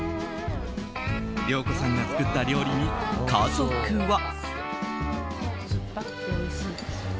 良子さんが作った料理に家族は。